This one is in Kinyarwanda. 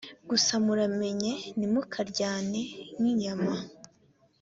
gusa muramenye ntimukaryane nk’ inyama